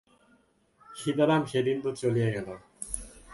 সীতারাম সেদিন তো চলিয়া গেল।